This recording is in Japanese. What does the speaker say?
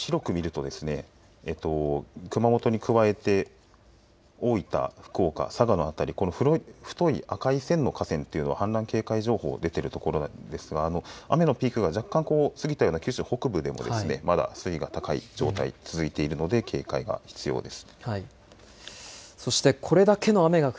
もう少し広く見ると熊本に加えて大分、福岡、佐賀の辺り、太い赤い線の河川というのは氾濫警戒情報が出ているところですから雨のピーク、若干過ぎたような九州北部でもまだ水位が高い状態、続いているので警戒が必要です。